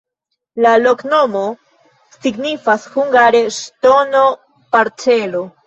La loknomo signifas hungare ŝtono-parcelo.